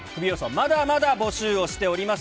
まだまだ募集をしております。